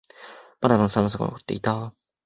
まだまだ寒さが残っていた。